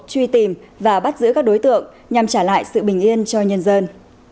truy tìm và bắt giữ các đối tượng nhằm trả lại sự bình yên cho nhân dân